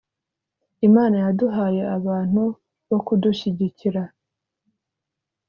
Imana yaduhaye abantu bo kudushyigikira